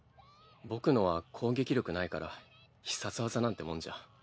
僕のは攻撃力ないから必殺技なんてもんじゃ。